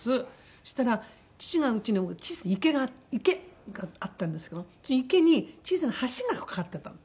そしたら父がうちに小さな池が池があったんですけど池に小さな橋が架かってたの。